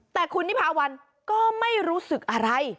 แต่คุณนิพาวันก็ไม่รู้สึกอะไร